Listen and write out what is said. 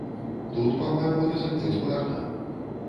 Тут, па-мойму, рызыкнуць варта.